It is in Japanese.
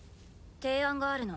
提案があるの。